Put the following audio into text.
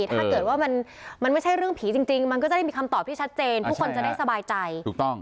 ถ้าเกิดว่ามันไม่ใช่เรื่องผีจริงมันก็จะได้มีคำตอบที่ชัดเจนทุกคนจะได้สบายใจถูกต้อง